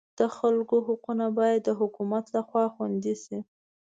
د خلکو حقونه باید د حکومت لخوا خوندي شي.